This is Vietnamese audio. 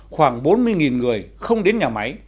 khoảng bốn mươi người không đến nhà máy